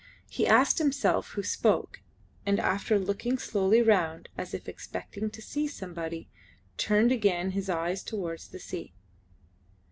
He asked himself who spoke, and, after looking slowly round as if expecting to see somebody, turned again his eyes towards the sea.